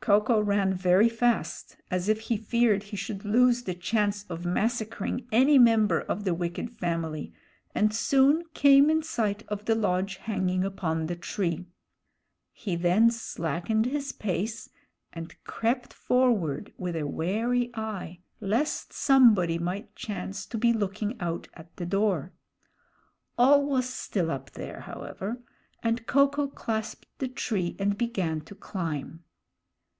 Ko ko ran very fast, as if he feared he should lose the chance of massacring any member of the wicked family, and soon came in sight of the lodge hanging upon the tree. He then slackened his pace and crept forward with a wary eye, lest somebody might chance to be looking out at the door. All was still up there, however, and Ko ko clasped the tree and began to climb.